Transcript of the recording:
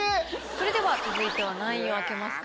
それでは続いては何位を開けますか？